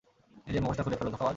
নিজের মুখোশটা খুলে ফেল, ধোঁকাবাজ!